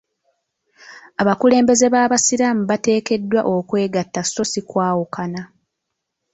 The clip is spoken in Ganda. Abakulembeze b'abasiraamu bateekeddwa okwegatta so si kwawukana.